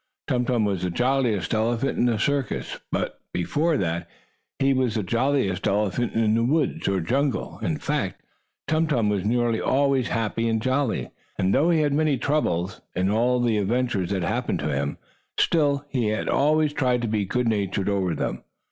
Tum Tum was the jolliest elephant in the circus, but before that he was the jolliest elephant in the woods or jungle. In fact, Tum Tum was nearly always happy and jolly, and, though he had many troubles, in all the adventures that happened to him, still, he always tried to be good natured over them.